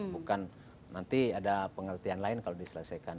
bukan nanti ada pengertian lain kalau diselesaikan